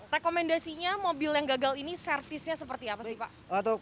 rekomendasinya mobil yang gagal ini servisnya seperti apa sih pak